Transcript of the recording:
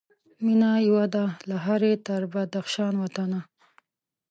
مېنه یوه ده له هري تر بدخشان وطنه